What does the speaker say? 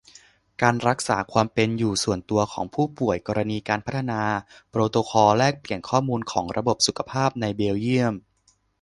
การรักษาความเป็นอยู่ส่วนตัวของผู้ป่วย กรณีการพัฒนาโปรโตคอลแลกเปลี่ยนข้อมูลของระบบสุขภาพในเบลเยียม